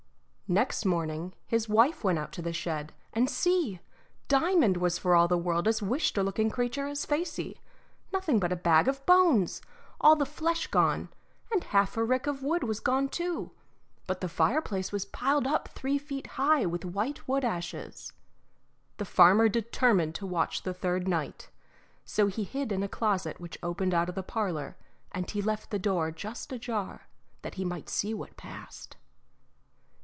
Next morning his wife went out to the shed, and see! Diamond was for all the world as wisht a looking creature as Facey nothing but a bag of bones, all the flesh gone, and half a rick of wood was gone too; but the fireplace was piled up three feet high with white wood ashes. The farmer determined to watch the third night; so he hid in a closet which opened out of the parlour, and he left the door just ajar, that he might see what passed.